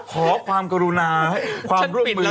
ขอความกรุณาให้ความร่วมมือ